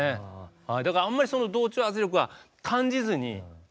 だからあんまり同調圧力は感じずに。